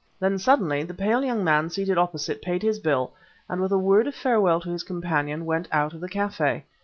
Then, suddenly, the pale young man seated opposite paid his bill, and with a word of farewell to his companion, went out of the café.